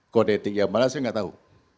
kode etik yang mana saya enggak tahu